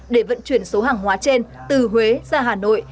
để vận chuyển số hàng hóa trên từ huế ra hà nội